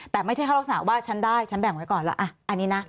แต่ไม่ใช่เข้ารักษณะว่าฉันได้ฉันแบ่งไว้ก่อนแล้วอ่ะอันนี้นะ